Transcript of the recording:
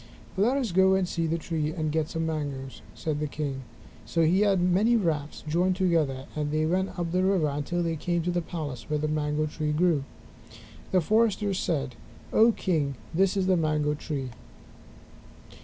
"Let us go and see the tree and get some mangoes," said the king. So he had many rafts joined together, and they went up the river until they came to the place where the mango tree grew. The foresters said, "O King, this is the mango tree."